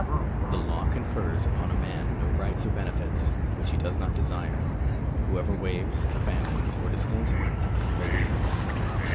D. 50. 17. 69. The law confers upon a man no rights or benefits which he does not desire. Whoever waives, abandons, or disclaims a right will lose it.